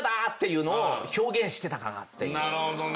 なるほどね。